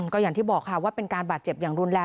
ก็อย่างที่บอกค่ะว่าเป็นการบาดเจ็บอย่างรุนแรง